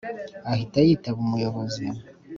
ahita yitaba umuyobozi